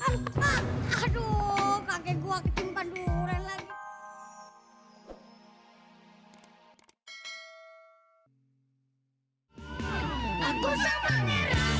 aduh kakek gua ketimpa duran lagi